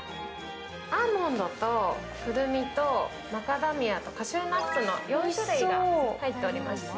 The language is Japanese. アーモンドとくるみとマカダミアとカシューナッツの４種類が入っております。